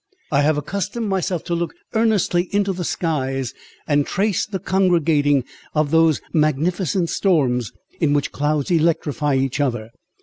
"I have accustomed myself to look earnestly into the skies, and trace the congregating of those magnificent storms, in which clouds electrify each other.